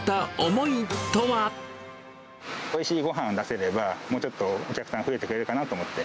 おいしいごはんを出せれば、もうちょっとお客さんが増えてくれるかなと思って。